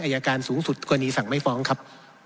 อัยการสูงสุดกว่ารีสังไมค์ฟ้องครับ